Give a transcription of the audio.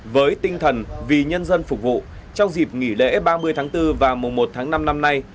với tinh thần vì nhân dân phục vụ trong dịp nghỉ lễ ba mươi tháng bốn và mùa một tháng năm năm nay